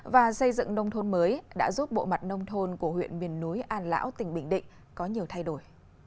và xây dựng nông thôn mới đã giúp bộ mặt nông thôn của huyện miền núi an lão tỉnh bình định có nhiều thay đổi